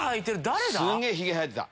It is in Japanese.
誰だ？